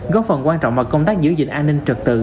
góp phần quan trọng vào công tác giữ gìn an ninh trật tự